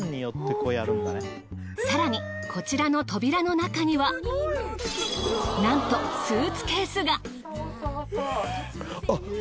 更にこちらの扉の中にはなんとスーツケースが。